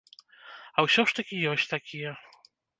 А ўсё ж такі ёсць такія.